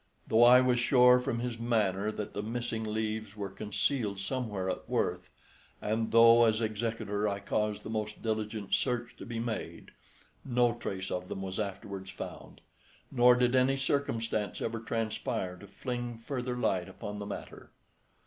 Though I was sure from his manner that the missing leaves were concealed somewhere at Worth, and though as executor I caused the most diligent search to be made, no trace of them was afterwards found; nor did any circumstance ever transpire to fling further light upon the matter.